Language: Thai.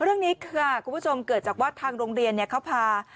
เรื่องนี้ค่ะคุณผู้ชมเกิดจากว่าทางโรงเรียนเขาพา